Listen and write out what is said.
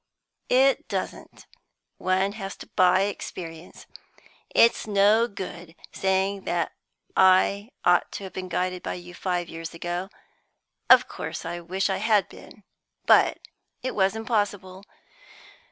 "It doesn't. One has to buy experience. It's no good saying that I ought to have been guided by you five years ago. Of course I wish I had been, but it wasn't possible.